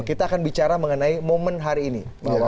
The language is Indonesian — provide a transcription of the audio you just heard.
kita akan bicara mengenai momen hari ini